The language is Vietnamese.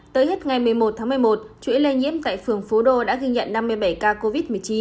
tới hết ngày một mươi một tháng một mươi một chuỗi lây nhiễm tại phường phú đô đã ghi nhận năm mươi bảy ca covid một mươi chín